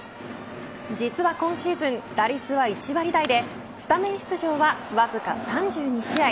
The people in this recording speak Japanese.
実は今シーズン打率は１割台でスタメン出場はわずか３２試合。